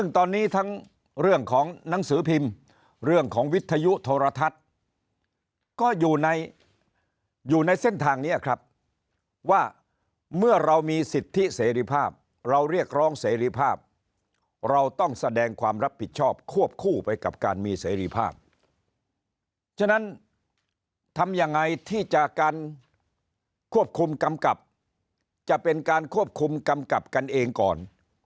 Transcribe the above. ทำอย่างไรที่จะการควบคุมกำกลับจะเป็นการควบคุมกำกลับกันเองก่อน